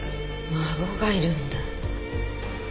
孫がいるんだ。